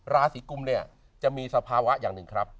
ราศีกุมเนี่ยจะมีสภาวะอย่างหนึ่งครับ